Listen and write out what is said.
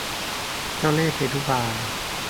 เจ้าเล่ห์เพทุบาย